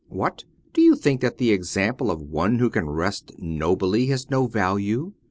What ? do you think that the example of one who can rest nobly has no value ?